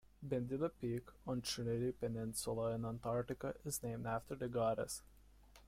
Bendida Peak on Trinity Peninsula in Antarctica is named after the goddess.